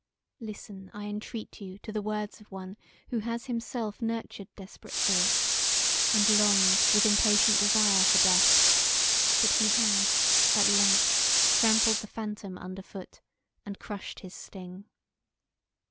Listen I entreat you to the words of one who has himself nurtured desperate thoughts, and longed with impatient desire for death, but who has at length trampled the phantom under foot, and crushed his sting.